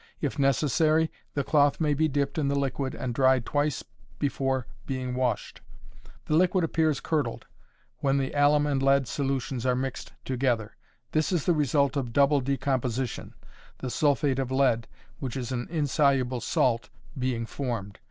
If necessary, the cloth may be dipped in the liquid and dried twice before being washed. The liquor appears curdled, when the alum and lead solutions are mixed together. This is the result of double decomposition, the sulphate of lead, which is an insoluble salt, being formed.